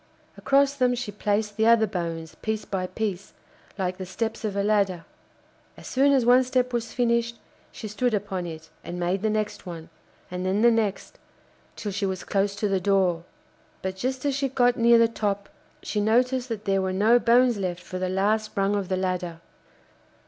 Across them she placed the other bones, piece by piece, like the steps of a ladder. As soon as one step was finished she stood upon it and made the next one, and then the next, till she was close to the door. But just as she got near the top she noticed that there were no bones left for the last rung of the ladder.